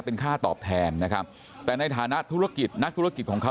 เป็นค่าตอบแทนนะครับแต่ในฐานะธุรกิจนักธุรกิจของเขา